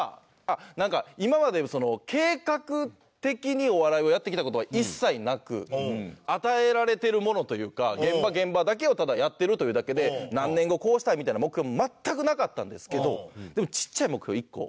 なんか今まで計画的にお笑いをやってきた事は一切なく与えられてるものというか現場現場だけをただやってるというだけで何年後こうしたいみたいな目標も全くなかったんですけど。